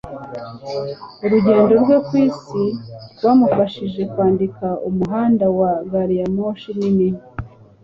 Urugendo rwe ku isi rwamufashije kwandika "Umuhanda wa Gariyamoshi Nini",